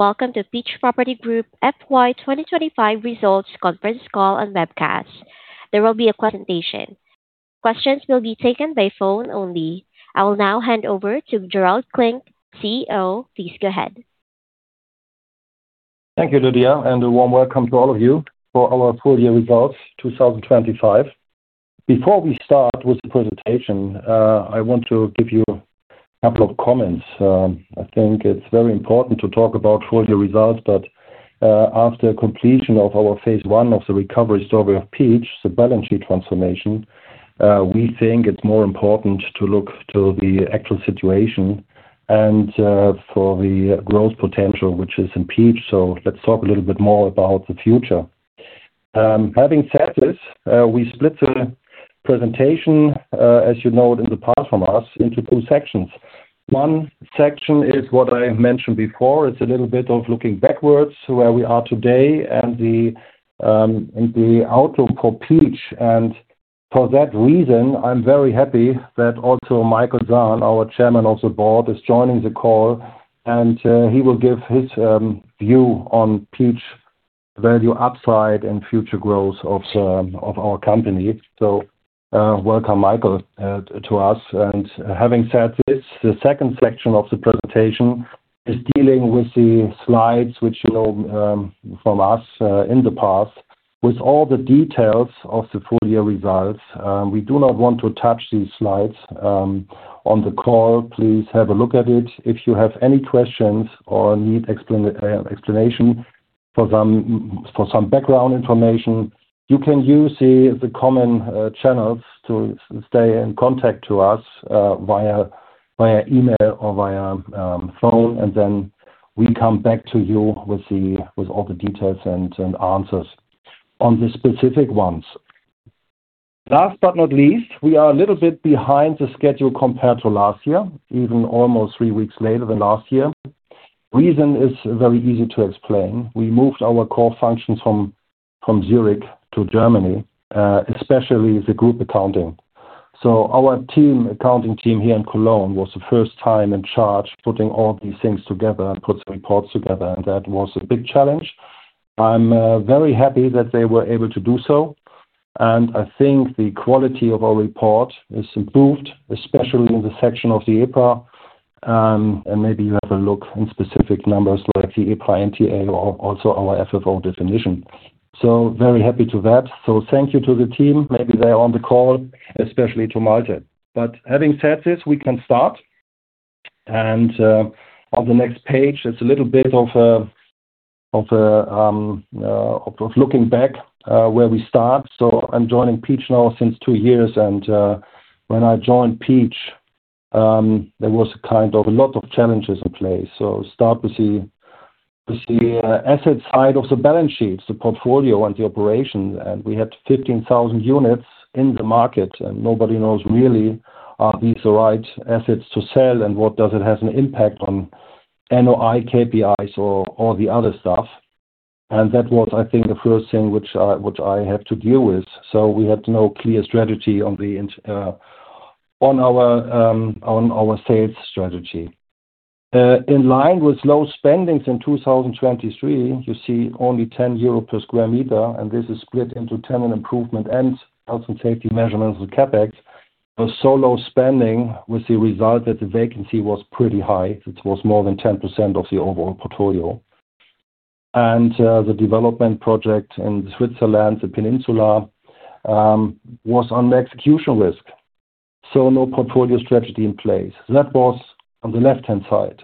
Welcome to Peach Property Group FY 2025 Results Conference Call and Webcast. There will be a presentation. Questions will be taken by phone only. I will now hand over to Gerald Klinck, CEO. Please go ahead. Thank you, Lidia, and a warm welcome to all of you for our full year results 2025. Before we start with the presentation, I want to give you a couple of comments. I think it's very important to talk about full year results, but after completion of our phase one of the recovery story of Peach, the balance sheet transformation, we think it's more important to look to the actual situation and for the growth potential, which is in Peach. Let's talk a little bit more about the future. Having said this, we split the presentation, as you know it in the past from us, into two sections. One section is what I mentioned before. It's a little bit of looking backwards to where we are today and the outlook for Peach. For that reason, I'm very happy that also Michael Zahn, our Chairman of the Board, is joining the call, and he will give his view on Peach value upside and future growth of our company. Welcome, Michael, to us. Having said this, the second section of the presentation is dealing with the slides, which you know from us in the past, with all the details of the full year results. We do not want to touch these slides on the call. Please have a look at it. If you have any questions or need explanation for some background information, you can use the common channels to stay in contact to us via email or via phone, and then we come back to you with all the details and answers on the specific ones. Last but not least, we are a little bit behind the schedule compared to last year, even almost three weeks later than last year. Reason is very easy to explain. We moved our core functions from Zurich to Germany, especially the group accounting. Our accounting team here in Cologne was the first time in charge, putting all these things together and put the reports together, and that was a big challenge. I'm very happy that they were able to do so, and I think the quality of our report is improved, especially in the section of the EPRA. Maybe you have a look in specific numbers like the EPRA NTA or also our FFO definition. Very happy with that. Thank you to the team. Maybe they are on the call, especially to Malte. Having said this, we can start. On the next page, it's a little bit of looking back, where we start. I'm joining Peach now since two years, and when I joined Peach, there was a lot of challenges in place. Start with the asset side of the balance sheet, the portfolio and the operation. We had 15,000 units in the market, and nobody knows really are these the right assets to sell and what does it have an impact on NOI, KPIs or the other stuff. That was, I think, the first thing which I had to deal with. We had no clear strategy on our sales strategy. In line with low spending in 2023, you see only €10 per square meter, and this is split into tenant improvement and health and safety measures with CapEx. As low spending with the result that the vacancy was pretty high. It was more than 10% of the overall portfolio. The development project in Switzerland, the Peninsula, was on execution risk. No portfolio strategy in place. That was on the left-hand side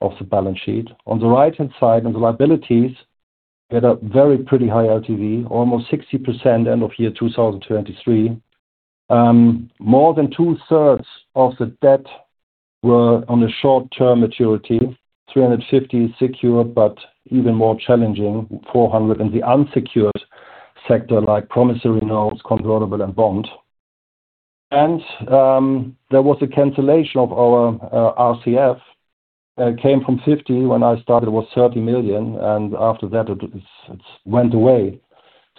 of the balance sheet. On the right-hand side, on the liabilities, we had a very pretty high LTV, almost 60% end of year 2023. More than two-thirds of the debt were on the short-term maturity, 350 million secured, but even more challenging, 400 million in the unsecured sector like promissory notes, convertible bond. There was a cancellation of our RCF. It came from 50 million when I started, it was 30 million, and after that it went away.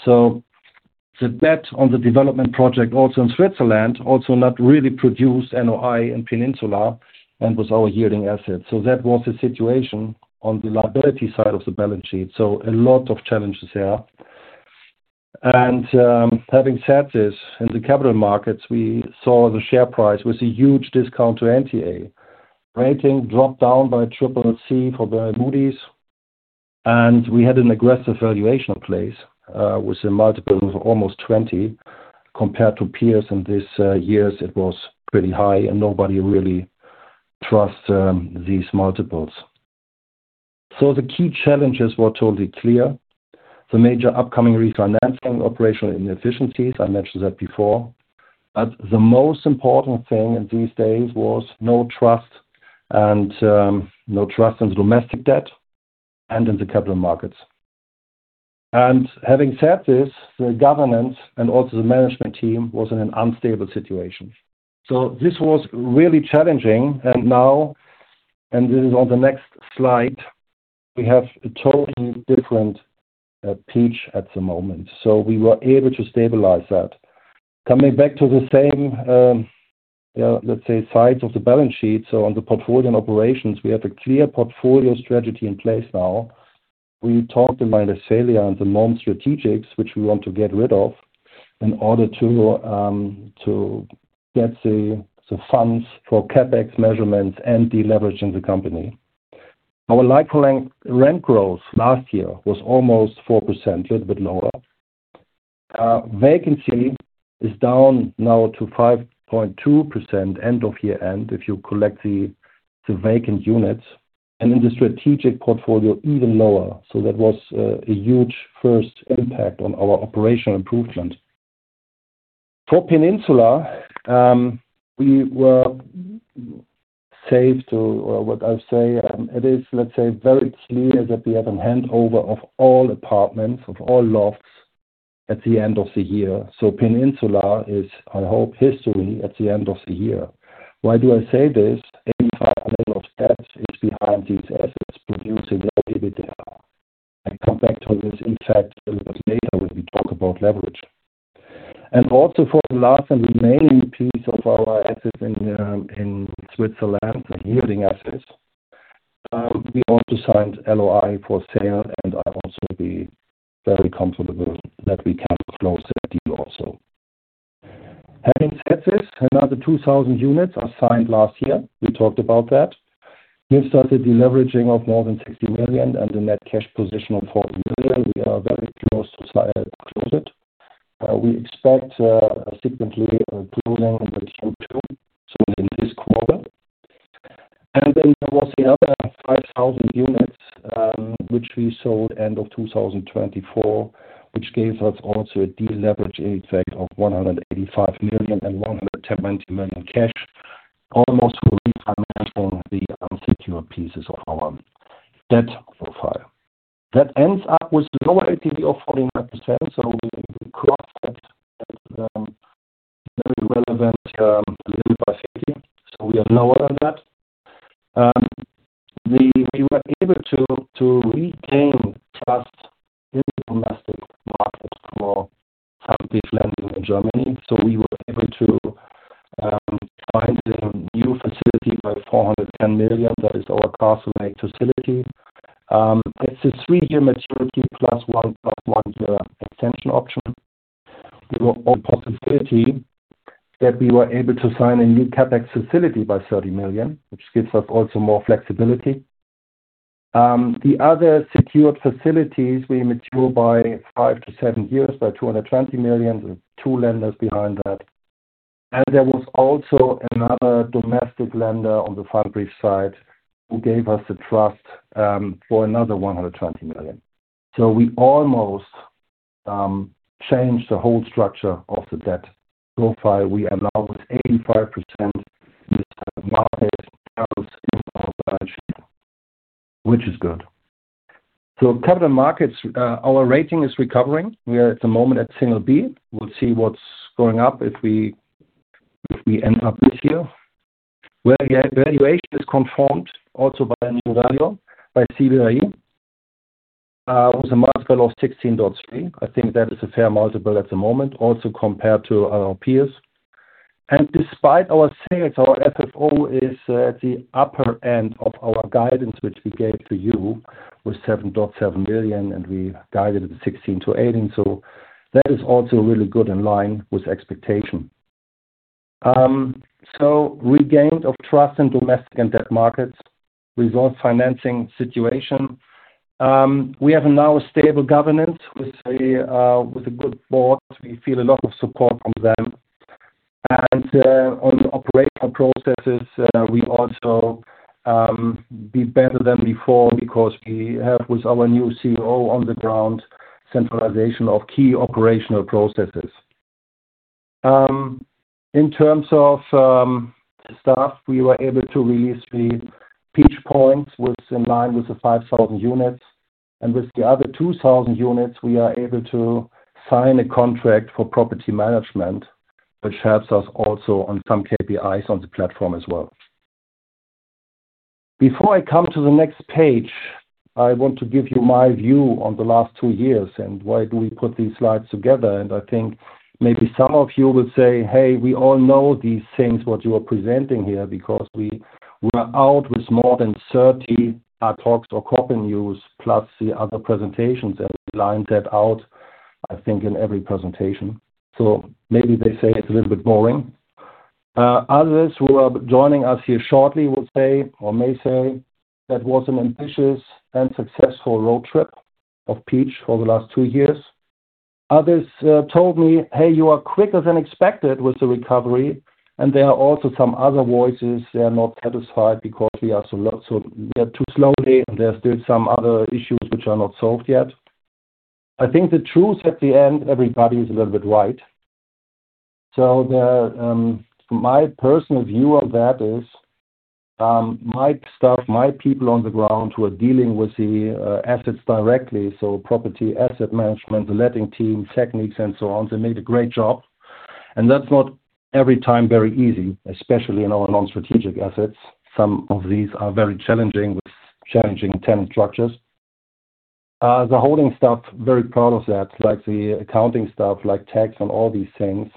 The debt on the development project also in Switzerland not really produced NOI in Peninsula and was our non-yielding asset. That was the situation on the liability side of the balance sheet. A lot of challenges there. Having said this, in the capital markets, we saw the share price with a huge discount to NTA. Rating dropped down to CCC for Moody's. We had an aggressive valuation in place, with the multiples of almost 20 compared to peers in these years; it was pretty high and nobody really trust these multiples. The key challenges were totally clear. The major upcoming refinancing operational inefficiencies, I mentioned that before. The most important thing in these days was no trust in the domestic debt and in the capital markets. Having said this, the governance and also the management team was in an unstable situation. This was really challenging. Now, and this is on the next slide, we have a totally different Peach at the moment. We were able to stabilize that. Coming back to the same, let's say, side of the balance sheet, so on the portfolio and operations, we have a clear portfolio strategy in place now. We talked about Australia and the Non-Strategics, which we want to get rid of in order to get the funds for CapEx measures and deleveraging the company. Our like-for-like rent growth last year was almost 4%, a little bit lower. Vacancy is down now to 5.2% end of year if you include the vacant units, and in the strategic portfolio, even lower. That was a huge first impact on our operational improvement. For Peninsula, we are set to, or what I'd say, it is, let's say, very clear that we have a handover of all apartments and lofts at the end of the year. Peninsula is, I hope, history at the end of the year. Why do I say this? 85% of steps is behind these assets producing their EBITDA. I come back to this impact a little bit later when we talk about leverage. Also for the last and remaining piece of our assets in Switzerland, the yielding assets, we also signed LOI for sale, and I'm also very comfortable that we can close that deal also. Having said this, another 2,000 units are signed last year. We talked about that. We've started deleveraging of more than 60 million, and the net cash position of 40 million. We are very close to close it. We expect significant closing in Q2, so in this quarter. There was the other 5,000 units, which we sold end of 2024, which gave us also a deleverage effect of $185 million and $120 million cash, almost to refinance all the unsecured pieces of our debt profile. That ends up with lower LTV of 49%, we crossed that very relevant limit below 50%. We are lower than that. We were able to regain trust in the domestic market for public lending in Germany. We were able to find a new facility of 410 million. That is our Castlelake facility. It's a three-year maturity plus one, plus one year extension option. We got a possibility that we were able to sign a new CapEx facility of 30 million, which gives us also more flexibility. The other secured facilities will mature in five-seven years of 220 million. There's two lenders behind that. There was also another domestic lender on the fabric side who gave us the trust for another 120 million. We almost changed the whole structure of the debt profile. We are now with 85% in this market in our balance sheet, which is good. Capital markets, our rating is recovering. We are at the moment at single B. We'll see what's going up if we end up this year, where the valuation is confirmed also by a new valuer, by CBRE, with a multiple of 16.3. I think that is a fair multiple at the moment, also compared to our peers. Despite our sales, our FFO is at the upper end of our guidance, which we gave to you, was 7.7 million, and we guided at 16-18. That is also really good in line with expectation. We have regained trust in domestic and debt markets, resolved financing situation. We have now a stable governance with a good board. We feel a lot of support from them. On operational processes, we are also better than before because we have, with our new CEO on the ground, centralization of key operational processes. In terms of staff, we were able to release the Peach Points, which was in line with the 5,000 units, and with the other 2,000 units, we are able to sign a contract for property management, which helps us also on some KPIs on the platform as well. Before I come to the next page, I want to give you my view on the last two years and why we put these slides together. I think maybe some of you will say, "Hey, we all know these things, what you are presenting here," because we were out with more than 30 talks or corporate news plus the other presentations, and we lined that out, I think, in every presentation. Maybe they say it's a little bit boring. Others who are joining us here shortly will say or may say that was an ambitious and successful road trip of Peach for the last two years. Others told me, "Hey, you are quicker than expected with the recovery." There are also some other voices, they are not satisfied because we are too slowly, and there's still some other issues which are not solved yet. I think the truth at the end, everybody is a little bit right. My personal view of that is, my staff, my people on the ground who are dealing with the assets directly, so property, asset management, the letting team, technicians and so on, they made a great job. That's not every time very easy, especially in our Non-Strategic assets. Some of these are very challenging with challenging tenant structures. The holding staff are very proud of that, like the accounting staff, like tax and all these things.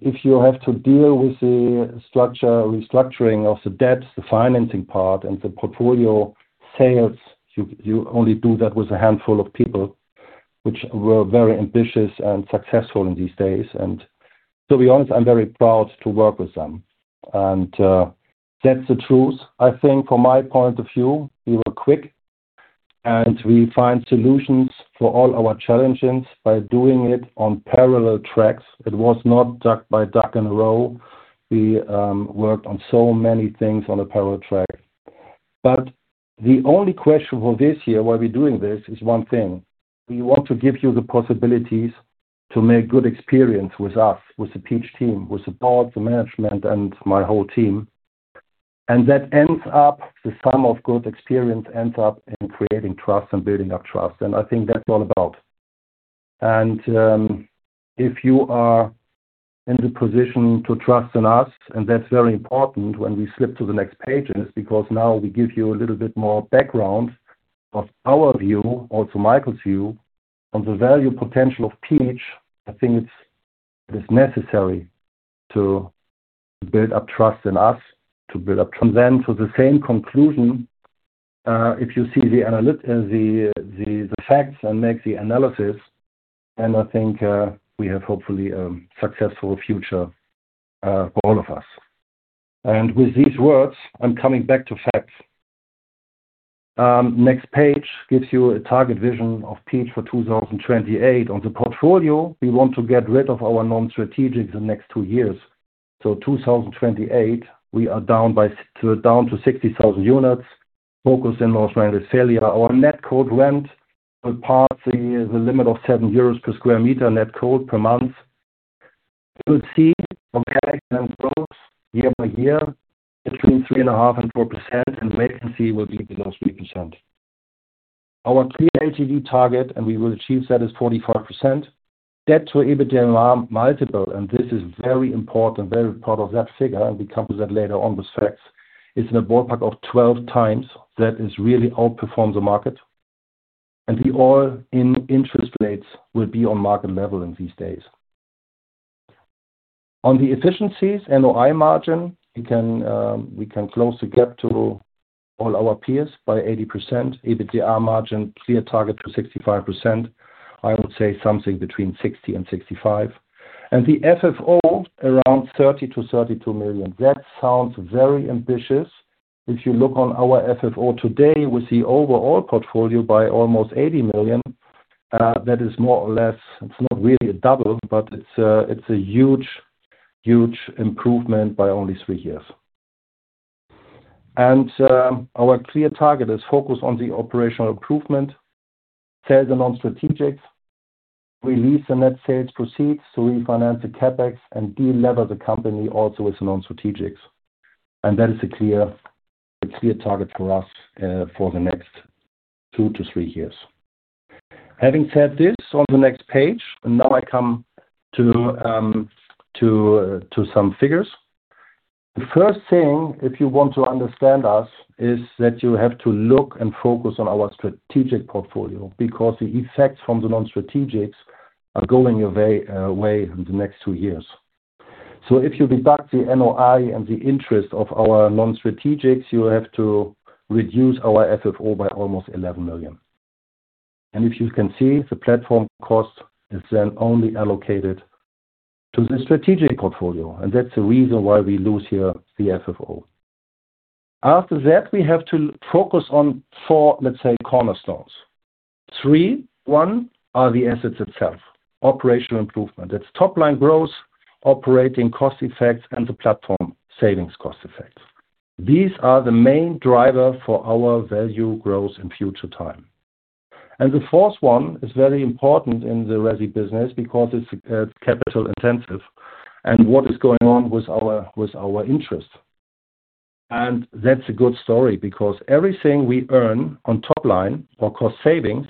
If you have to deal with the restructuring of the debts, the financing part, and the portfolio sales, you only do that with a handful of people, which were very ambitious and successful in these days. To be honest, I'm very proud to work with them. That's the truth. I think from my point of view, we were quick, and we find solutions for all our challenges by doing it on parallel tracks. It was not ducks in a row. We worked on so many things on a parallel track. The only question for this year, why we're doing this, is one thing. We want to give you the possibilities to make good experience with us, with the Peach team, with the board, the management, and my whole team. That ends up, the sum of good experience ends up in creating trust and building up trust. I think that's what it's all about. If you are in the position to trust in us, and that's very important when we flip to the next pages, because now we give you a little bit more background of our view, also Michael's view, on the value potential of Peach. I think it's necessary to build up trust in us, to build up trust. To the same conclusion, if you see the facts and make the analysis, and I think we have hopefully a successful future for all of us. With these words, I'm coming back to facts. Next page gives you a target vision of Peach for 2028. On the portfolio, we want to get rid of our Non-Strategic the next two years. So 2028, we are down to 60,000 units, focused in North Rhine-Westphalia. Our net cold rent will pass the limit of 7 euros per square meter net cold per month. You will see organic rent growth year-by-year between 3.5% and 4%, and vacancy will be below 3%. Our clear LTV target, and we will achieve that, is 45%. Debt-to-EBITDA multiple, and this is very important, very proud of that figure, and we come to that later on with facts, is in a ballpark of 12x. That really outperforms the market. The all-in interest rates will be on market level in these days. On the efficiencies, NOI margin, we can close the gap to all our peers by 80%. EBITDA margin, clear target to 65%. I would say something between 60% and 65%. The FFO, around 30 million-32 million. That sounds very ambitious. If you look on our FFO today, we see overall portfolio by almost 80 million. That is more or less, it's not really a double, but it's a huge improvement by only three years. Our clear target is focused on the operational improvement. Sales and Non-Strategics. Release the net sales proceeds to refinance the CapEx and delever the company also with Non-Strategics. That is a clear target for us for the next two-three years. Having said this, on the next page, now I come to some figures. The first thing, if you want to understand us, is that you have to look and focus on our strategic portfolio because the effects from the Non-Strategics are going away in the next two years. If you deduct the NOI and the interest of our Non-Strategics, you have to reduce our FFO by almost 11 million. If you can see, the platform cost is then only allocated to the strategic portfolio. That's the reason why we lose here the FFO. After that, we have to focus on four, let's say, cornerstones. One are the assets itself, operational improvement. That's top-line growth, operating cost effects, and the platform savings cost effects. These are the main driver for our value growth in future time. The fourth one is very important in the resi business because it's capital intensive. What is going on with our interest. That's a good story because everything we earn on top line or cost savings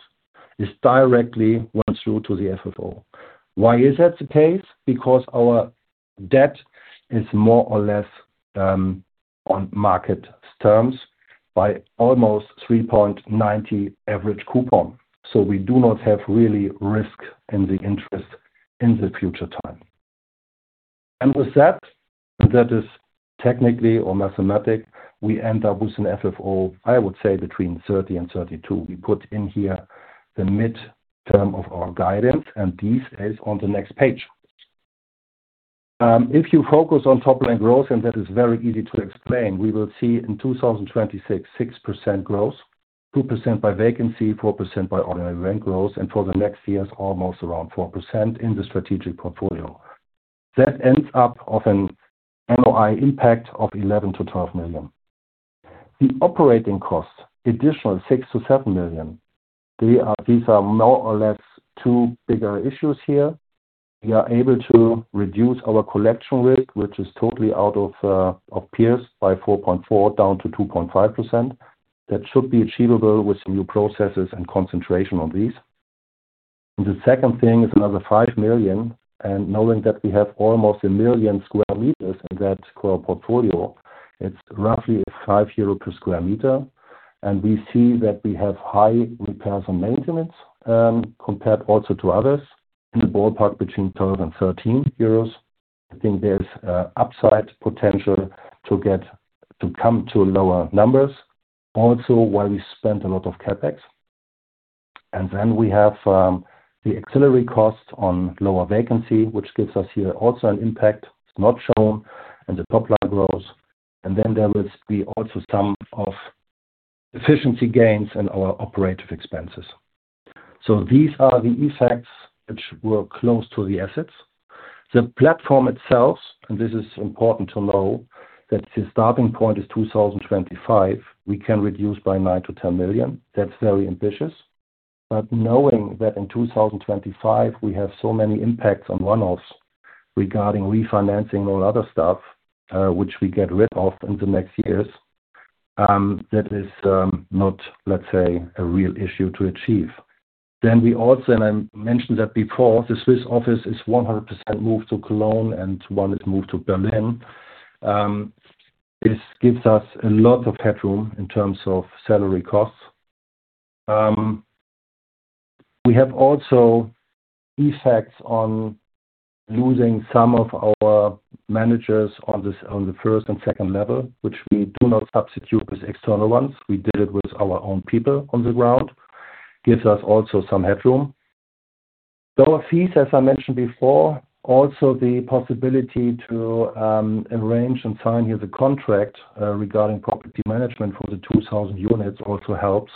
is directly went through to the FFO. Why is that the case? Because our debt is more or less on market terms by almost 3.90 average coupon. We do not have really risk in the interest in the future time. With that is technically or mathematically, we end up with an FFO, I would say between 30 and 32. We put in here the midterm of our guidance, and this is on the next page. If you focus on top-line growth, and that is very easy to explain, we will see in 2026, 6% growth, 2% by vacancy, 4% by ordinary rent growth, and for the next years, almost around 4% in the strategic portfolio. That ends up of an NOI impact of 11 million-12 million. The operating cost, additional 6 million-7 million. These are more or less two bigger issues here. We are able to reduce our collection rate, which is totally out of peers by 4.4% down to 2.5%. That should be achievable with some new processes and concentration on these. The second thing is another 5 million. Knowing that we have almost 1 million square meter in that core portfolio, it's roughly 5 euro per square meter. We see that we have high repairs and maintenance compared also to others, in the ballpark between 12-13 euros. I think there's upside potential to come to lower numbers, also why we spent a lot of CapEx. Then we have the ancillary costs on lower vacancy, which gives us here also an impact. It's not shown in the top line growth. Then there will be also some efficiency gains in our operating expenses. These are the effects which are close to the assets. The platform itself, and this is important to know, that the starting point is 2025. We can reduce by 9 million-10 million. That's very ambitious. Knowing that in 2025 we have so many impacts on one-offs regarding refinancing or other stuff, which we get rid of in the next years, that is not, let's say, a real issue to achieve. We also, and I mentioned that before, the Swiss office is 100% moved to Cologne and one is moved to Berlin. This gives us a lot of headroom in terms of salary costs. We have also effects on losing some of our managers on the first and second level, which we do not substitute with external ones. We did it with our own people on the ground, gives us also some headroom. Lower fees, as I mentioned before, also the possibility to arrange and sign here the contract, regarding property management for the 2,000 units also helps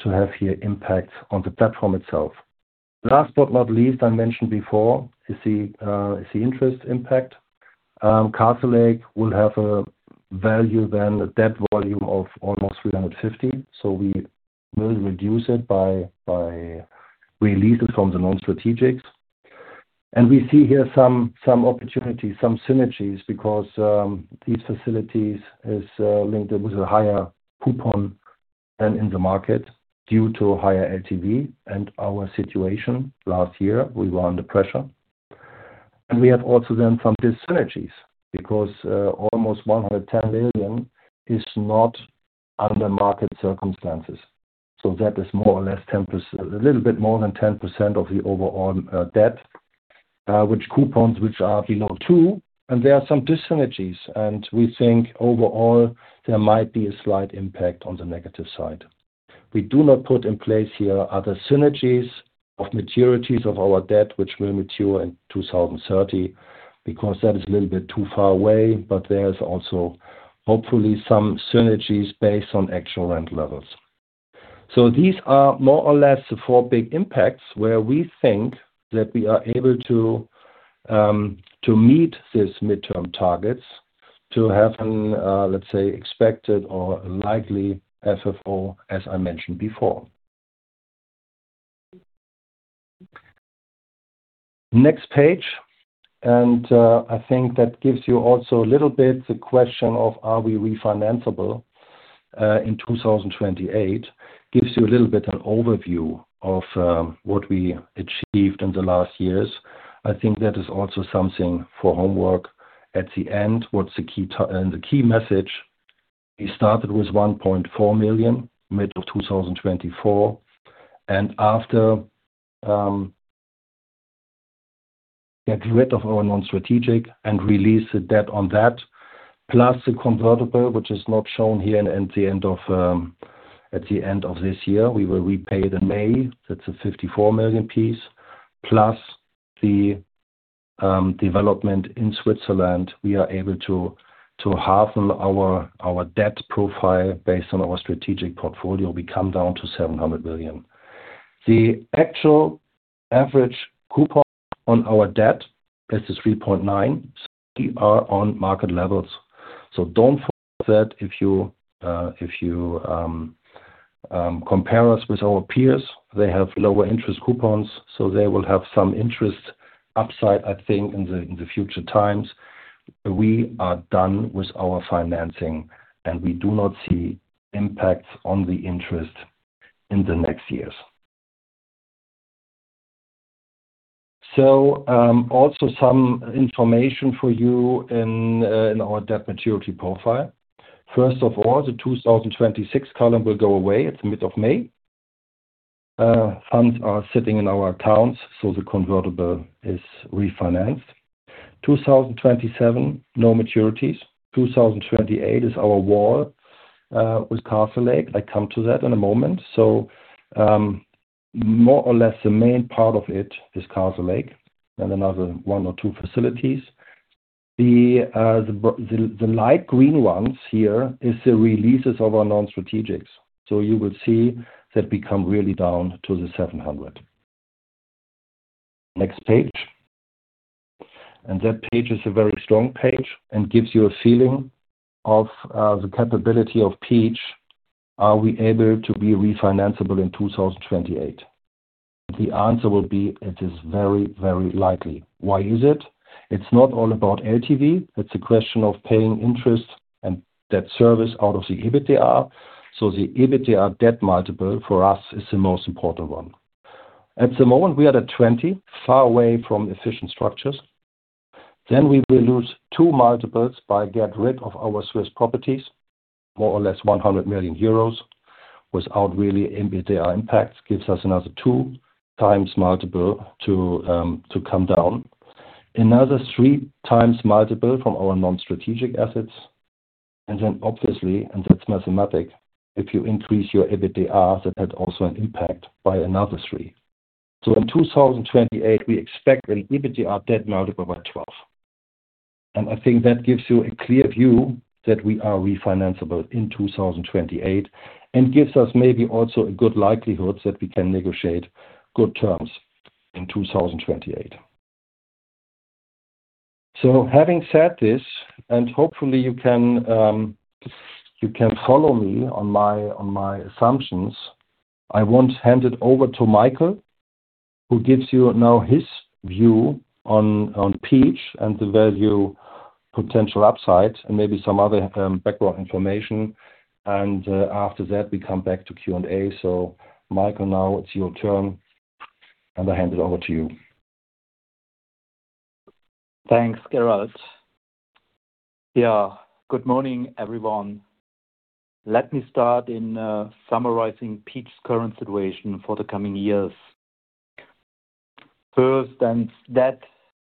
to have here impact on the platform itself. Last but not least, I mentioned before, is the interest impact. Castlelake will have a value then, a debt volume of almost 350 million. We will reduce it by releases from the Non-Strategics. We see here some opportunities, some synergies because these facilities is linked with a higher coupon than in the market due to higher LTV and our situation. Last year, we were under pressure. We have also then some dyssynergies because almost 110 million is not under market circumstances. That is a little bit more than 10% of the overall debt, which coupons, which are below 2%, and there are some dyssynergies, and we think overall there might be a slight impact on the negative side. We do not put in place here other synergies of maturities of our debt, which will mature in 2030, because that is a little bit too far away. There is also hopefully some synergies based on actual rent levels. These are more or less the four big impacts where we think that we are able to meet these midterm targets to have an, let's say, expected or likely FFO, as I mentioned before. Next page. I think that gives you also a little bit the question of are we refinanceable in 2028, gives you a little bit an overview of what we achieved in the last years. I think that is also something for homework. At the end, what's the key message? We started with 1.4 million mid of 2024. After get rid of our Non-Strategic and release the debt on that, plus the convertible, which is not shown here at the end of this year, we will repay it in May. That's a 54 million piece. Plus the development in Switzerland. We are able to halve our debt profile based on our strategic portfolio. We come down to 700 million. The actual average coupon on our debt is 3.9%. We are on market levels. Don't forget that if you compare us with our peers, they have lower interest coupons, so they will have some interest upside, I think, in the future times. We are done with our financing, and we do not see impacts on the interest in the next years. Also some information for you in our debt maturity profile. First of all, the 2026 column will go away at the mid of May. Funds are sitting in our accounts. The convertible is refinanced. 2027, no maturities. 2028 is our wall with Castlelake. I come to that in a moment. More or less the main part of it is Castlelake and another one or two facilities. The light green ones here is the releases of our Non-Strategic. You will see that we come really down to the 700. Next page. That page is a very strong page and gives you a feeling of the capability of Peach. Are we able to be refinanceable in 2028? The answer will be, it is very, very likely. Why is it? It's not all about LTV. It's a question of paying interest and debt service out of the EBITDA. The EBITDA debt multiple for us is the most important one. At the moment, we are at 20, far away from efficient structures. We will lose two multiples by get rid of our Swiss properties, more or less 100 million euros, without really EBITDA impact. Gives us another 2x multiple to come down. Another 3x multiple from our Non-Strategic assets. Then obviously, and that's mathematical, if you increase your EBITDA, that had also an impact by another three. In 2028, we expect an EBITDA debt multiple by 12. I think that gives you a clear view that we are refinanceable in 2028 and gives us maybe also a good likelihood that we can negotiate good terms in 2028. Having said this, and hopefully you can follow me on my assumptions, I want to hand it over to Michael, who gives you now his view on Peach and the value potential upside, and maybe some other background information. After that, we come back to Q&A. Michael, now it's your turn, and I hand it over to you. Thanks, Gerald. Yeah. Good morning, everyone. Let me start in summarizing Peach's current situation for the coming years. First, and that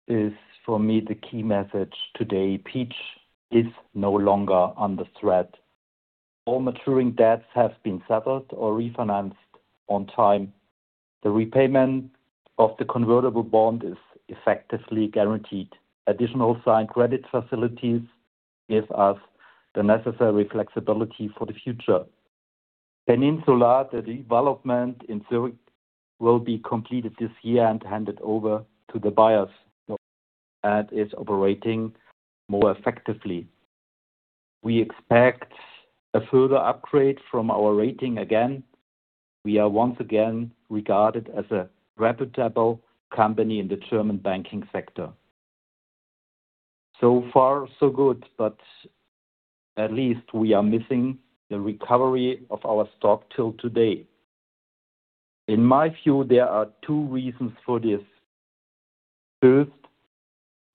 is for me the key message today, Peach is no longer under threat. All maturing debts have been settled or refinanced on time. The repayment of the convertible bond is effectively guaranteed. Additional signed credit facilities give us the necessary flexibility for the future. Peninsula, the development in Zurich will be completed this year and handed over to the buyers and is operating more effectively. We expect a further upgrade from our rating again. We are once again regarded as a reputable company in the German banking sector. So far, so good, but at least we are missing the recovery of our stock till today. In my view, there are two reasons for this. First,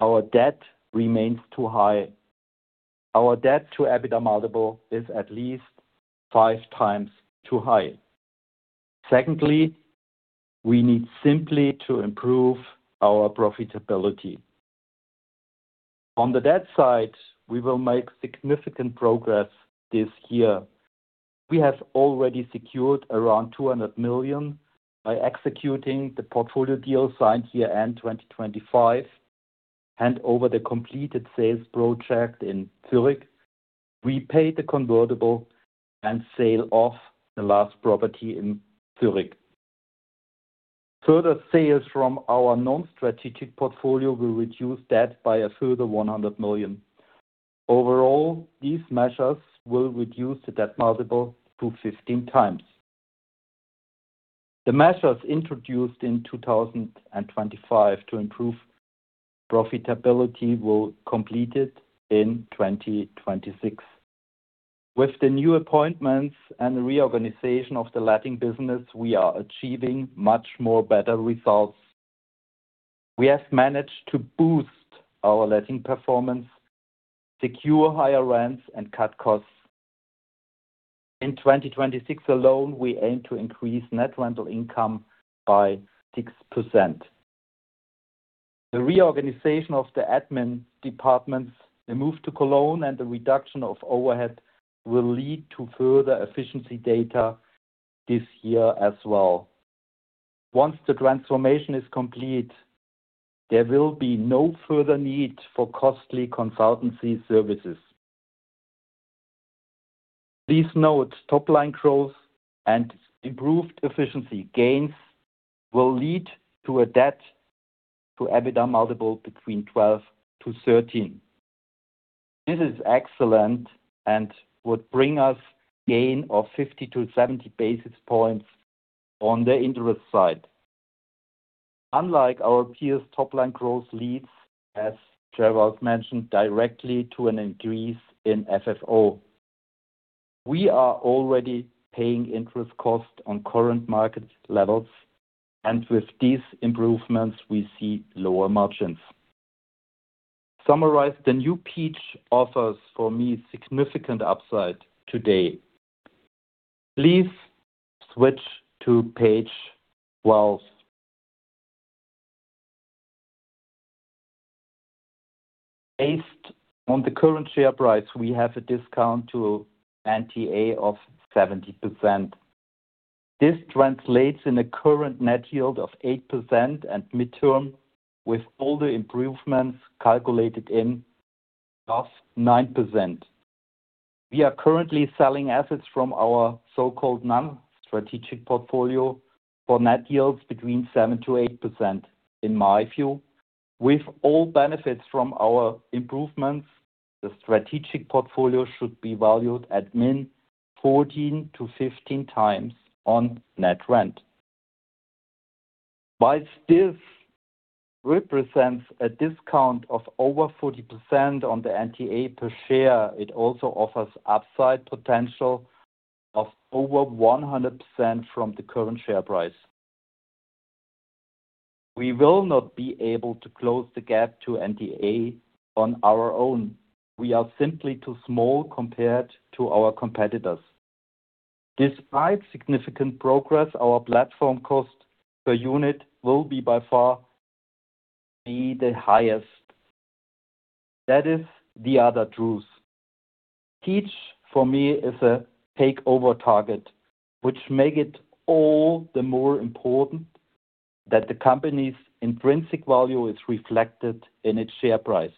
our debt remains too high. Our debt-to-EBITDA multiple is at least 5x too high. Secondly, we need simply to improve our profitability. On the debt side, we will make significant progress this year. We have already secured around 200 million by executing the portfolio deal signed year-end 2025, hand over the completed sales project in Zurich, repay the convertible and sell off the last property in Zurich. Further sales from our Non-Strategic Portfolio will reduce debt by a further 100 million. Overall, these measures will reduce the debt multiple to 15x. The measures introduced in 2025 to improve profitability will complete it in 2026. With the new appointments and reorganization of the letting business, we are achieving much more better results. We have managed to boost our letting performance, secure higher rents, and cut costs. In 2026 alone, we aim to increase net rental income by 6%. The reorganization of the admin departments, the move to Cologne, and the reduction of overhead will lead to further efficiency gains this year as well. Once the transformation is complete, there will be no further need for costly consultancy services. Please note, top line growth and improved efficiency gains will lead to a debt-to-EBITDA multiple between 12x-13x. This is excellent and would bring us gain of 50-70 basis points on the interest side. Unlike our peers, top line growth leads, as Gerald mentioned, directly to an increase in FFO. We are already paying interest costs on current market levels, and with these improvements, we see lower margins. In summary, the new Peach offers significant upside today. Please switch to page 12. Based on the current share price, we have a discount to NTA of 70%. This translates to a current net yield of 8% and mid-term with all the improvements calculated in of 9%. We are currently selling assets from our so-called Non-Strategic Portfolio for net yields between 7%-8%. In my view, with all benefits from our improvements, the strategic portfolio should be valued at min 14x-15x on net rent. While this represents a discount of over 40% on the NTA per share, it also offers upside potential of over 100% from the current share price. We will not be able to close the gap to NTA on our own. We are simply too small compared to our competitors. Despite significant progress, our platform cost per unit will by far be the highest. That is the other truth. Peach, for me, is a takeover target, which makes it all the more important that the company's intrinsic value is reflected in its share price.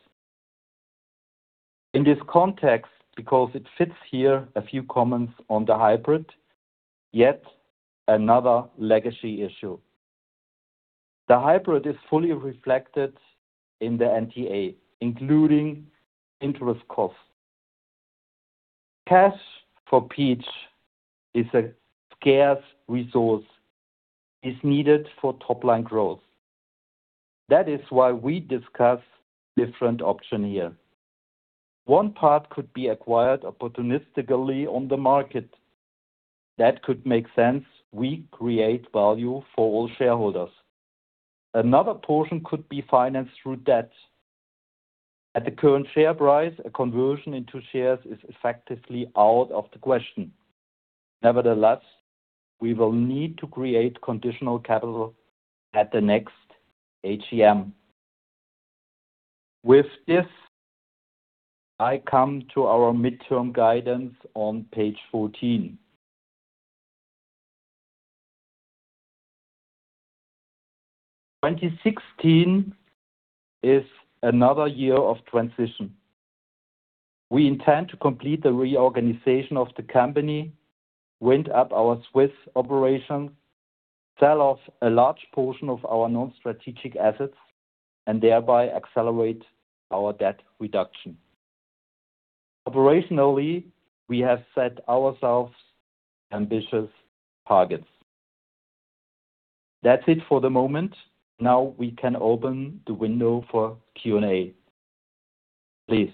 In this context, because it fits here, a few comments on the hybrid, yet another legacy issue. The hybrid is fully reflected in the NTA, including interest costs. Cash for Peach is a scarce resource needed for top-line growth. That is why we discuss different options here. One part could be acquired opportunistically on the market. That could make sense. We create value for all shareholders. Another portion could be financed through debt. At the current share price, a conversion into shares is effectively out of the question. Nevertheless, we will need to create conditional capital at the next AGM. With this, I come to our midterm guidance on page 14. 2026 is another year of transition. We intend to complete the reorganization of the company, wind up our Swiss operation, sell off a large portion of our Non-Strategic assets, and thereby accelerate our debt reduction. Operationally, we have set ourselves ambitious targets. That's it for the moment. Now we can open the window for Q&A. Please.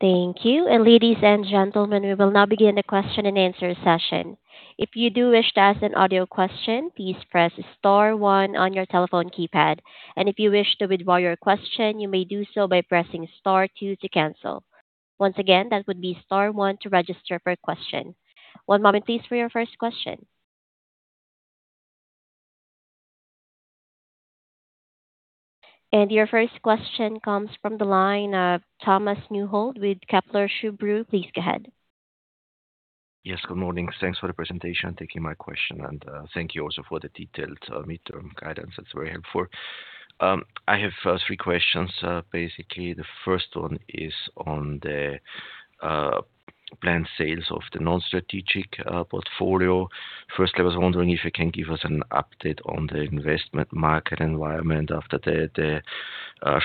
Thank you. Ladies and gentlemen, we will now begin the question and answer session. If you do wish to ask an audio question, please press star one on your telephone keypad. If you wish to withdraw your question, you may do so by pressing star two to cancel. Once again, that would be star one to register for a question. One moment please, for your first question. Your first question comes from the line of Thomas Neuhold with Kepler Cheuvreux. Please go ahead. Yes, good morning. Thanks for the presentation, taking my question, and thank you also for the detailed midterm guidance. That's very helpful. I have three questions. Basically, the first one is on the planned sales of the Non-Strategic Portfolio. First, I was wondering if you can give us an update on the investment market environment after the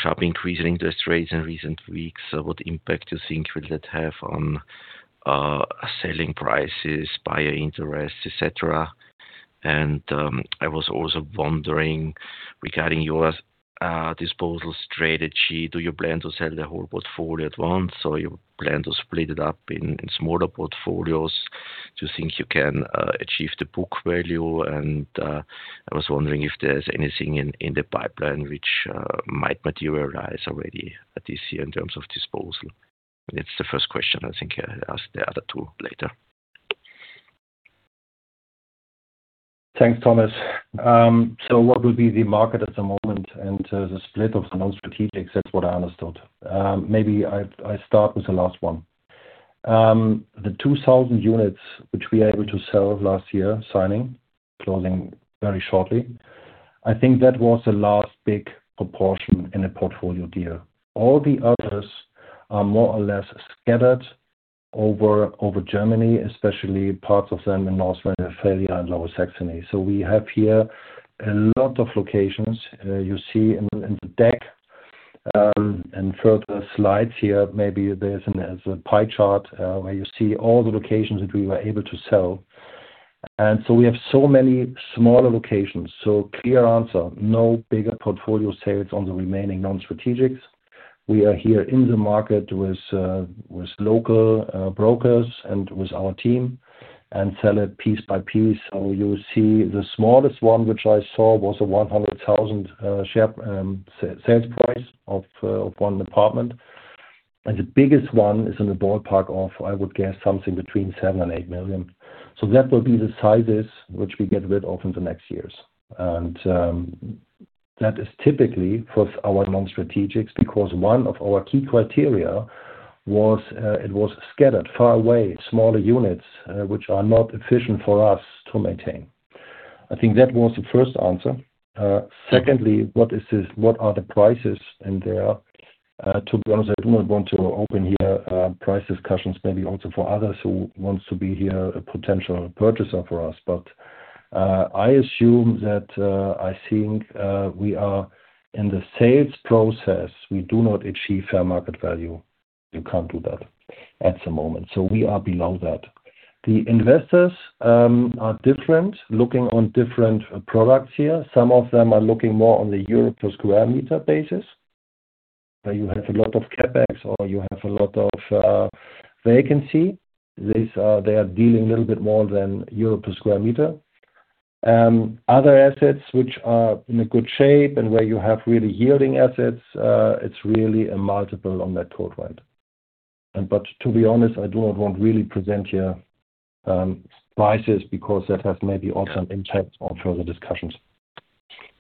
sharp increase in interest rates in recent weeks. What impact do you think will it have on selling prices, buyer interest, et cetera? And I was also wondering, regarding your disposal strategy, do you plan to sell the whole portfolio at once, or you plan to split it up in smaller portfolios to think you can achieve the book value? And I was wondering if there's anything in the pipeline which might materialize already this year in terms of disposal. That's the first question. I think I'll ask the other two later. Thanks, Thomas. What will be the market at the moment and the split of the Non-Strategic? That's what I understood. Maybe I start with the last one. The 2,000 units, which we were able to sell last year, signing, closing very shortly. I think that was the last big proportion in a portfolio deal. All the others are more or less scattered over Germany, especially parts of them in North Rhine-Westphalia and Lower Saxony. We have here a lot of locations. You see in the deck, in further slides here, maybe there's a pie chart, where you see all the locations that we were able to sell. We have so many smaller locations. Clear answer, no bigger portfolio sales on the remaining Non-Strategics. We are here in the market with local brokers and with our team and sell it piece by piece. You see the smallest one, which I saw was a 100,000 share sales price of one apartment. The biggest one is in the ballpark of, I would guess, something between 7 million and 8 million. That will be the sizes which we get rid of in the next years. That is typically for our Non-Strategics because one of our key criteria was it was scattered far away, smaller units, which are not efficient for us to maintain. I think that was the first answer. Secondly, what are the prices in there? To be honest, I do not want to open here price discussions, maybe also for others who wants to be a potential purchaser for us. I assume that I think we are in the sales process. We do not achieve fair market value. You can't do that. At the moment. We are below that. The investors are different, looking on different products here. Some of them are looking more on the euro per square meter basis. Where you have a lot of CapEx or you have a lot of vacancy. They are dealing a little bit more than euro per square meter. Other assets which are in a good shape and where you have really yielding assets, it's really a multiple on that cold rent. To be honest, I do not want really present here prices because that has maybe also impact on further discussions.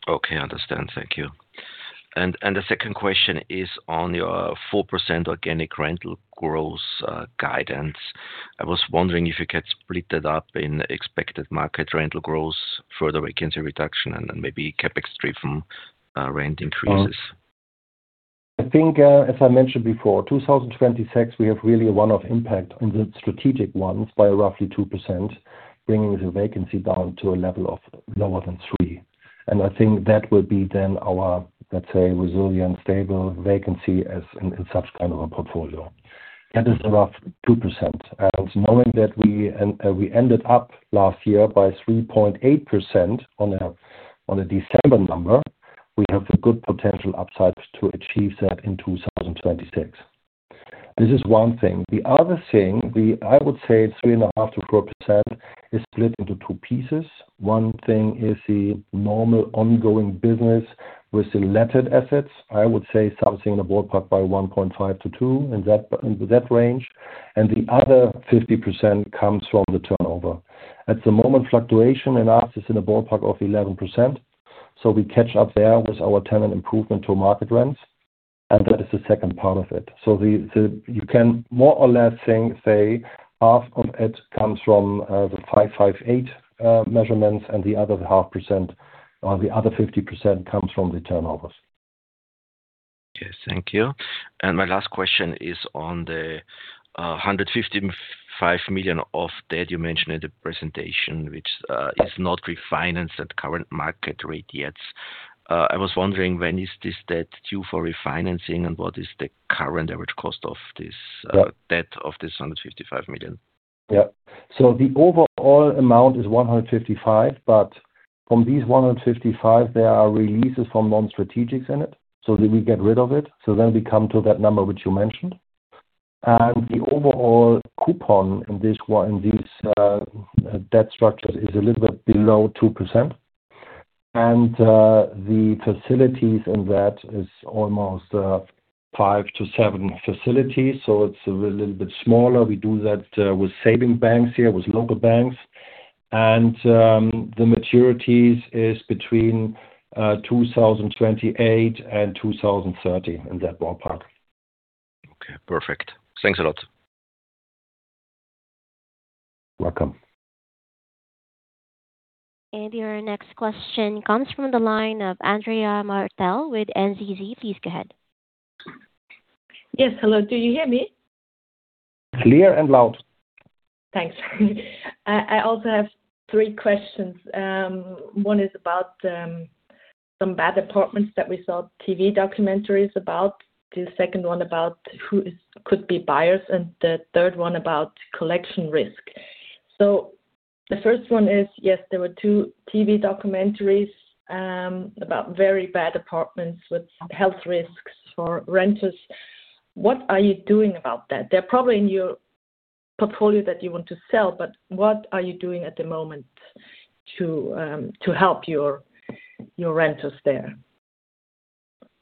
Okay, understand. Thank you. The second question is on your 4% organic rental growth guidance. I was wondering if you could split that up into expected market rental growth, further vacancy reduction, and then maybe CapEx-driven rent increases. I think, as I mentioned before, 2026, we have really a one-off impact on the strategic ones by roughly 2%, bringing the vacancy down to a level of lower than three. I think that will be then our, let's say, resilient, stable vacancy as in such kind of a portfolio. That is a rough 2%. Knowing that we ended up last year by 3.8% on a December number, we have a good potential upside to achieve that in 2026. This is one thing. The other thing, I would say 3.5%-4% is split into two pieces. One thing is the normal ongoing business with the levered assets. I would say something in the ballpark of 1.5%-2%, in that range. The other 50% comes from the turnover. At the moment, fluctuation in our is in a ballpark of 11%. We catch up there with our tenant improvement to market rents, and that is the second part of it. You can more or less say half of it comes from the 558 measures and the other 50% comes from the turnovers. Yes. Thank you. My last question is on the 155 million of debt you mentioned in the presentation, which is not refinanced at current market rate yet. I was wondering when is this debt due for refinancing and what is the current average cost of this 155 million? Yeah. The overall amount is 155, but from these 155, there are releases from Non-Strategic in it, so then we get rid of it. We come to that number which you mentioned. The overall coupon in these debt structures is a little bit below 2%. The facilities in that is almost five-seven facilities, so it's a little bit smaller. We do that with savings banks here, with local banks. The maturities is between 2028 and 2030 in that ballpark. Okay, perfect. Thanks a lot. Welcome. Your next question comes from the line of Andrea Martel with NZZ. Please go ahead. Yes. Hello, do you hear me? Clear and loud. Thanks. I also have three questions. One is about some bad apartments that we saw TV documentaries about. The second one about who could be buyers, and the third one about collection risk. The first one is, yes, there were two TV documentaries about very bad apartments with health risks for renters. What are you doing about that? They're probably in your portfolio that you want to sell, but what are you doing at the moment to help your renters there?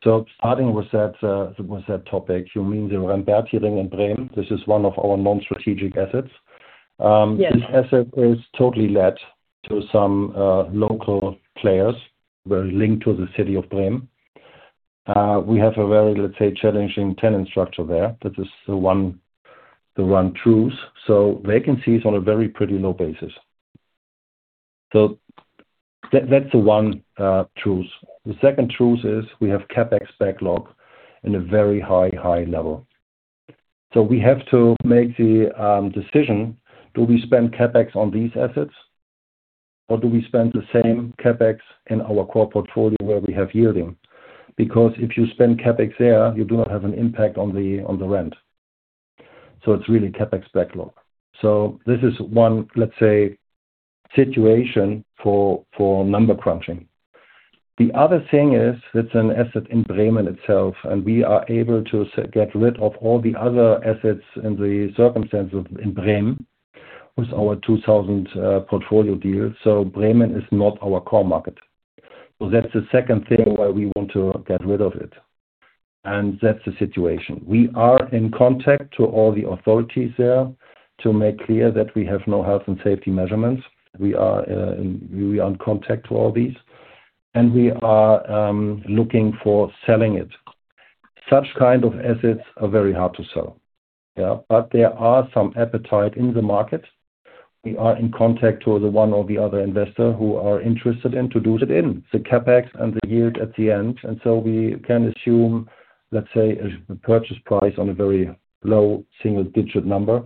Starting with that topic, you mean the Rembertiring in Bremen. This is one of our Non-Strategic assets. Yes. This asset is totally let to some local players who are linked to the city of Bremen. We have a very, let's say, challenging tenant structure there. That is the one truth. Vacancy is on a very pretty low basis. That's the one truth. The second truth is we have CapEx backlog in a very high level. We have to make the decision, do we spend CapEx on these assets or do we spend the same CapEx in our core portfolio where we have yielding? Because if you spend CapEx there, you do not have an impact on the rent. It's really CapEx backlog. This is one, let's say, situation for number crunching. The other thing is it's an asset in Bremen itself, and we are able to get rid of all the other assets in the circumstance in Bremen with our 2,000 portfolio deals. Bremen is not our core market. That's the second thing why we want to get rid of it. That's the situation. We are in contact to all the authorities there to make clear that we have no health and safety measures. We are in contact to all these, and we are looking for selling it. Such kind of assets are very hard to sell. There are some appetite in the market. We are in contact to the one or the other investor who are interested, and to do it in the CapEx and the yield at the end. We can assume, let's say, a purchase price on a very low single-digit number,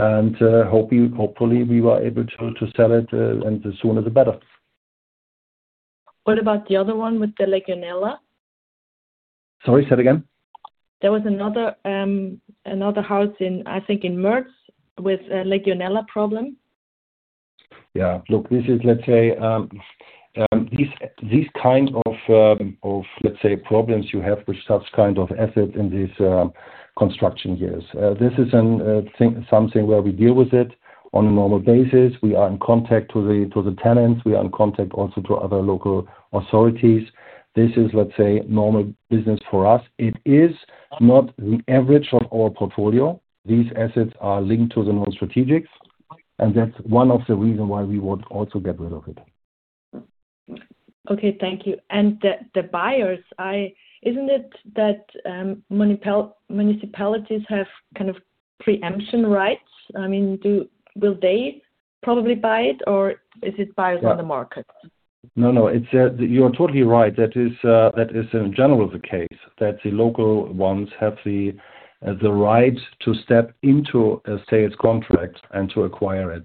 and hopefully, we were able to sell it, and the sooner the better. What about the other one with the legionella? Sorry, say it again. There was another house in, I think, in Marl with a legionella problem. Yeah. Look, these kind of problems you have with such kind of assets in these construction years. This is something where we deal with it on a normal basis. We are in contact with the tenants, we are in contact also to other local authorities. This is, let's say, normal business for us. It is not the average of our portfolio. These assets are linked to the Non-Strategics, and that's one of the reasons why we would also get rid of it. Okay. Thank you. The buyers. Isn't it that municipalities have kind of preemption rights? Will they probably buy it, or is it buyers on the market? No. You are totally right. That is in general the case, that the local ones have the right to step into a sales contract and to acquire it.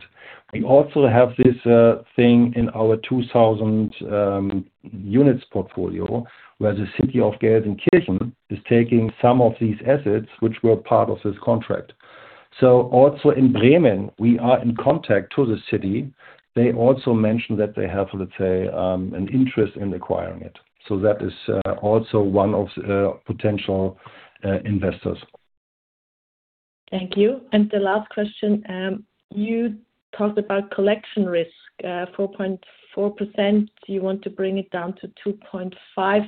We also have this thing in our 2,000 units portfolio, where the city of Gelsenkirchen is taking some of these assets which were part of this contract. Also in Bremen, we are in contact to the city. They also mentioned that they have, let's say, an interest in acquiring it. That is also one of the potential investors. Thank you. The last question. You talked about collection loss, 4.4%. You want to bring it down to 2.5%.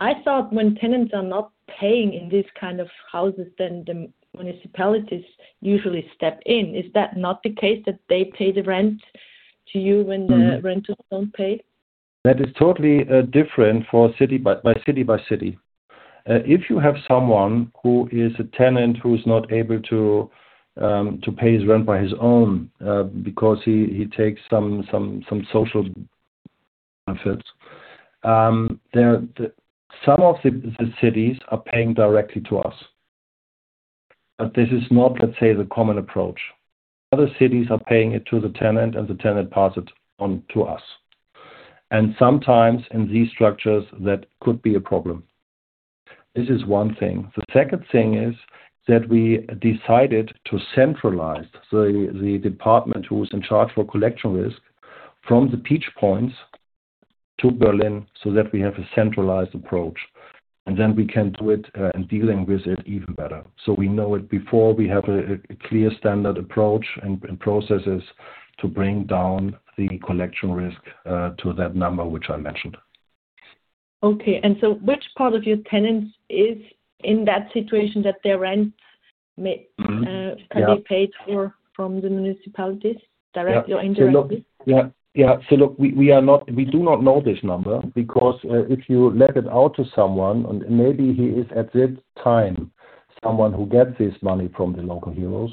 I thought when tenants are not paying in these kind of houses, then the municipalities usually step in. Is that not the case, that they pay the rent to you when the renters don't pay? That is totally different city by city. If you have someone who is a tenant who is not able to pay his rent on his own because he takes some social benefits. Some of the cities are paying directly to us. This is not, let's say, the common approach. Other cities are paying it to the tenant, and the tenant pass it on to us. Sometimes in these structures, that could be a problem. This is one thing. The second thing is that we decided to centralize the department who was in charge for collection risk from the Peach Points to Berlin so that we have a centralized approach, and then we can do it in dealing with it even better. We know it before we have a clear standard approach and processes to bring down the collection risk to that number which I mentioned. Okay. Which part of your tenants is in that situation that their rent can be paid for from the municipalities directly or indirectly? Yeah. Look, we do not know this number because if you let it out to someone and maybe he is at this time someone who gets this money from the local heroes,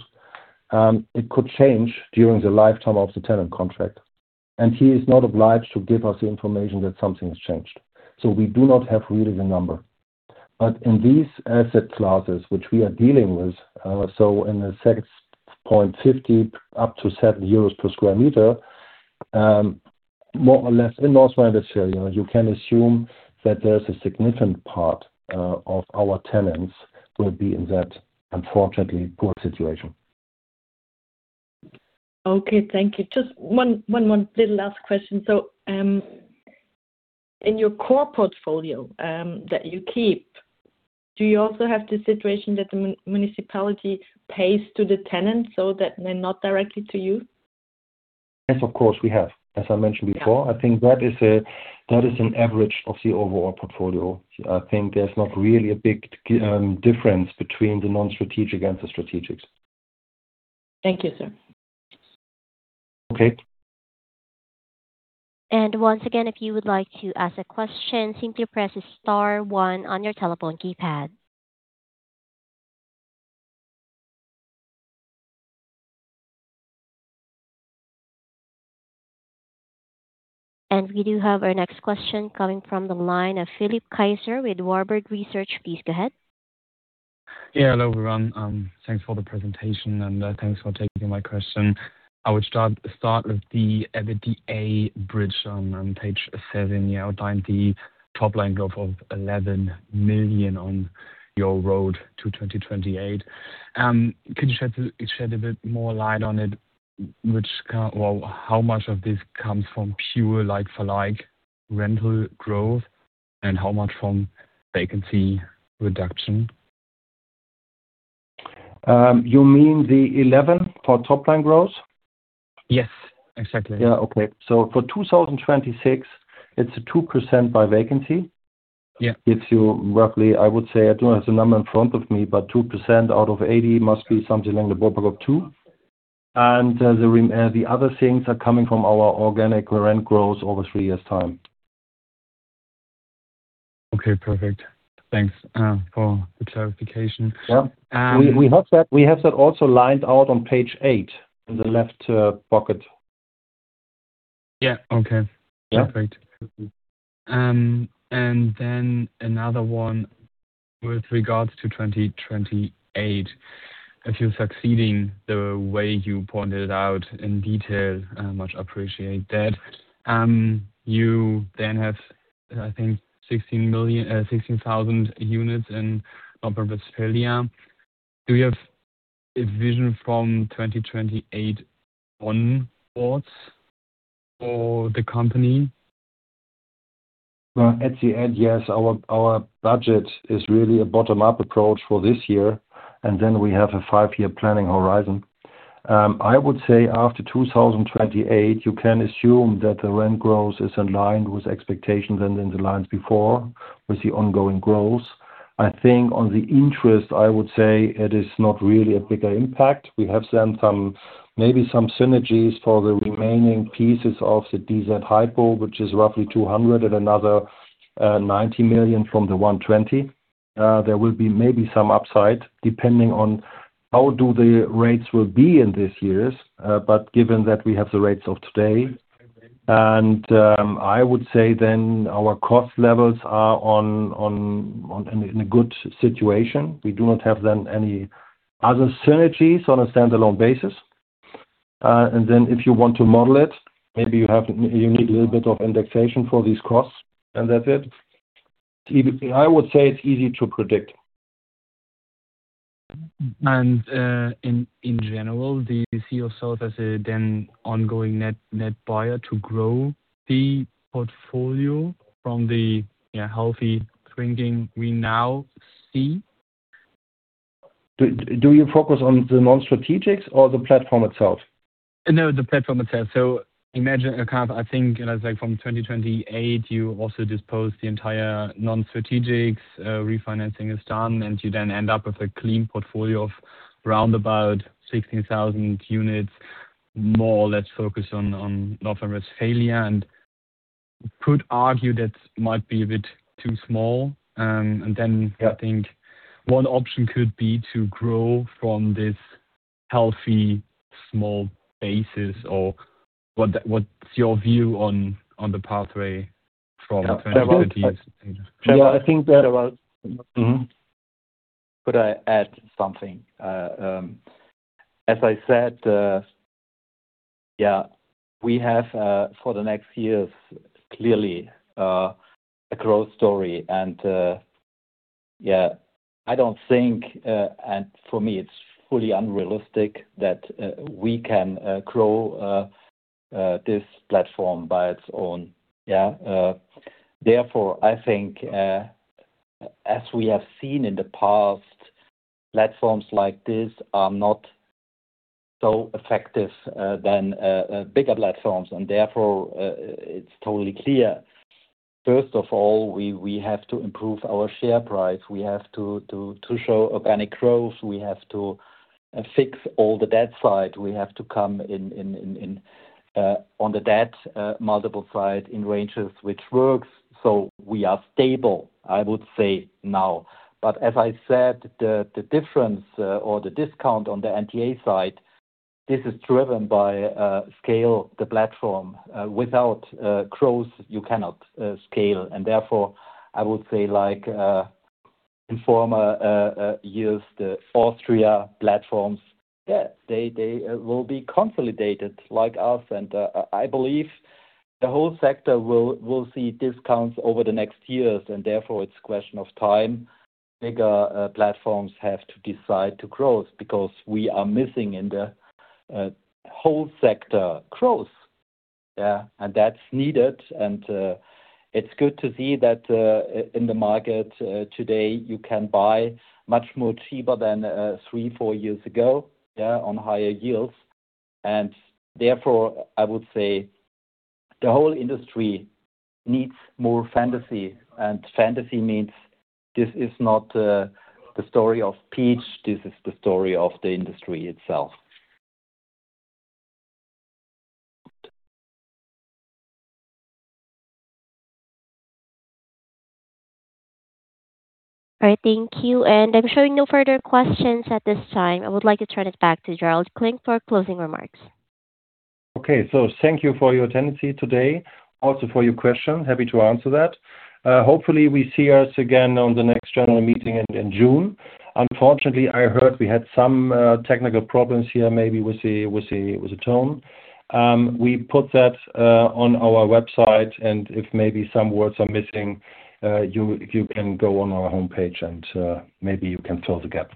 it could change during the lifetime of the tenant contract. He is not obliged to give us the information that something has changed. We do not have really the number. In these asset classes, which we are dealing with, so in the 6.50-7 euros per square meter, more or less in North Rhine-Westphalia, you can assume that there's a significant part of our tenants will be in that, unfortunately, poor situation. Okay. Thank you. Just one more little last question. In your core portfolio that you keep, do you also have the situation that the municipality pays to the tenant so that they're not directly to you? Yes, of course, we have. As I mentioned before, I think that is an average of the overall portfolio. I think there's not really a big difference between the Non-Strategic and the Strategic. Thank you, sir. Okay. Once again, if you would like to ask a question, simply press star one on your telephone keypad. We do have our next question coming from the line of Philipp Kaiser with Warburg Research. Please go ahead. Yeah. Hello, everyone. Thanks for the presentation, and thanks for taking my question. I would start with the EBITDA bridge on page seven. You outlined the top line growth of 11 million on your road to 2028. Could you shed a bit more light on it? How much of this comes from pure like-for-like rental growth and how much from vacancy reduction? You mean the 11% for top line growth? Yes, exactly. For 2026, it's a 2% vacancy. Yeah. Gives you roughly, I would say, I don't have the number in front of me, but 2% out of 80 must be something in the ballpark of two. The other things are coming from our organic rent growth over three years' time. Okay, perfect. Thanks for the clarification. Yeah. We have that also outlined on page eight in the left pocket. Yeah. Okay. Yeah. Perfect. Another one. With regards to 2028, if you're succeeding the way you pointed out in detail, I much appreciate that. You then have, I think, 16,000 units in North Rhine-Westphalia. Do you have a vision from 2028 onwards for the company? Well, at the end, yes, our budget is really a bottom-up approach for this year, and then we have a five-year planning horizon. I would say after 2028, you can assume that the rent growth is in line with expectations and in line as before with the ongoing growth. I think on the interest, I would say it is not really a bigger impact. We have then maybe some synergies for the remaining pieces of the DZ HYP, which is roughly 200 million and another 90 million from the 120 million. There will be maybe some upside depending on how the rates will be in these years. Given that we have the rates of today, and I would say then our cost levels are in a good situation. We do not have then any other synergies on a standalone basis. If you want to model it, maybe you need a little bit of indexation for these costs, and that's it. I would say it's easy to predict. In general, do you see yourself as an ongoing net buyer to grow the portfolio from the healthy trending we now see? Do you focus on the Non-Strategics or the platform itself? No, the platform itself. Imagine, I think, let's say from 2028, you also dispose the entire Non-Strategics, refinancing is done, and you then end up with a clean portfolio of around about 16,000 units, more or less focused on North Rhine-Westphalia. Could argue that might be a bit too small. I think one option could be to grow from this healthy, small basis or what's your view on the pathway from 2050? Yeah, I think that. Could I add something? As I said, we have for the next years, clearly, a growth story. I don't think, and for me, it's fully unrealistic that we can grow this platform by its own. Therefore, I think as we have seen in the past, platforms like this are not so effective than bigger platforms. Therefore, it's totally clear, first of all, we have to improve our share price. We have to show organic growth. We have to fix all the debt side. We have to come in on the debt multiple side in ranges which works. We are stable, I would say now. As I said, the difference or the discount on the NTA side, this is driven by scale the platform. Without growth, you cannot scale. Therefore, I would say like Informa used the Austrian platforms. They will be consolidated like us. I believe the whole sector will see discounts over the next years, and therefore it's a question of time. Bigger platforms have to decide to grow because we are missing in the whole sector growth. That's needed, and it's good to see that in the market today, you can buy much more cheaper than three, four years ago on higher yields. Therefore, I would say the whole industry needs more fantasy, and fantasy means this is not the story of Peach. This is the story of the industry itself. All right. Thank you. I'm showing no further questions at this time. I would like to turn it back to Gerald Klinck for closing remarks. Okay. Thank you for your attendance today, also for your question. Happy to answer that. Hopefully, we see us again on the next general meeting in June. Unfortunately, I heard we had some technical problems here, maybe with the tone. We put that on our website, and if maybe some words are missing, you can go on our homepage and maybe you can fill the gap.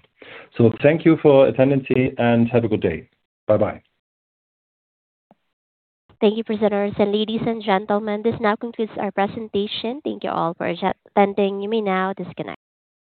Thank you for attending and have a good day. Bye. Thank you, presenters and ladies and gentlemen. This now concludes our presentation. Thank you all for attending. You may now disconnect.